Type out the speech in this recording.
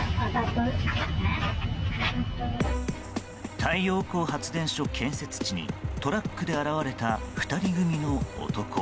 太陽光発電所建設地にトラックで現れた２人組の男。